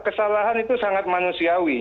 kesalahan itu sangat manusiawi